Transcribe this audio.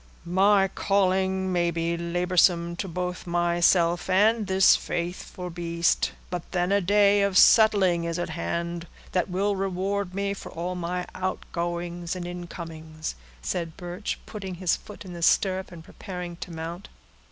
"My calling may be laborsome to both myself and this faithful beast, but then a day of settling is at hand, that will reward me for all my outgoings and incomings," said Birch, putting his foot in the stirrup, and preparing to mount.